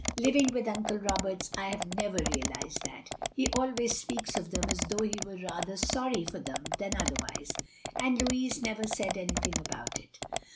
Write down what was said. "Living with Uncle Roberts I have never realised that. He always speaks of them as though he were rather sorry for them than otherwise, and Lrouis never said anything about it.